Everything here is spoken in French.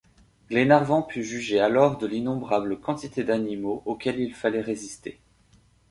Glenarvan put juger alors de l’innombrable quantité d’animaux auxquels il fallait résister.